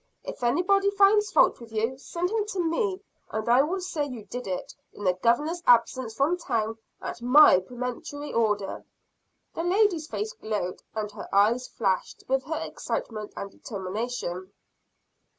If anybody finds fault with you, send him to me; and I will say you did it, in the Governor's absence from town, at my peremptory order." The lady's face glowed, and her eyes flashed, with her excitement and determination.